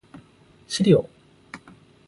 肥料